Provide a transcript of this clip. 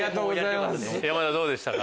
山田どうでしたか？